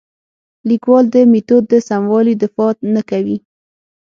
لیکوال د میتود د سموالي دفاع نه کوي.